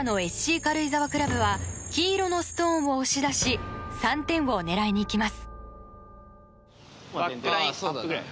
軽井沢クラブは黄色のストーンを押し出し３点を狙いにいきます。